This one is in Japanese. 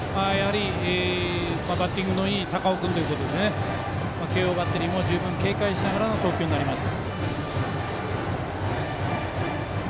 バッティングのいい高尾君ということで慶応バッテリーも十分警戒しながらの投球になります。